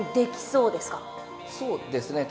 そうですね